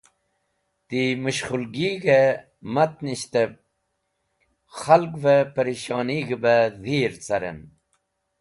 Ti mẽshkhũlig̃hẽ matanishtẽb khalgvẽ pẽrishonig̃h bẽ dhir carẽn.